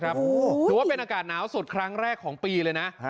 ถือว่าเป็นอากาศหนาวสุดครั้งแรกของปีเลยนะ